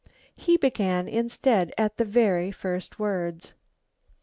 He began instead at the very first words.